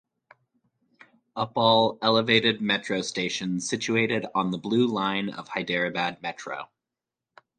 Uppal elevated metro station situated on the Blue Line of Hyderabad Metro.